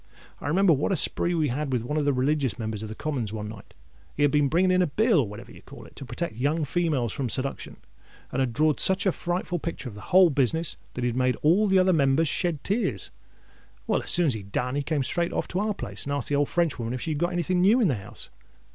I remember what a spree we had with one of the religious Members of the Commons one night. He had been bringing in a bill, or whatever you call it, to protect young females from seduction, and had drawed such a frightful picture of the whole business, that he made all the other Members shed tears. Well, as soon as he'd done, he came straight off to our place, and asked the old Frenchwoman if she had got any thing new in the house.